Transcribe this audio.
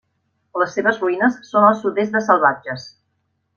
Les seves ruïnes són al sud-est de Salvatges.